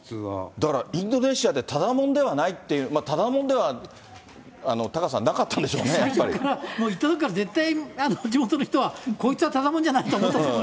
だから、インドネシアで、ただ者ではないっていう、ただもんでは、タカさん、なかったんで行ったときから絶対、地元の人は、こいつはただ者じゃないと思ったと。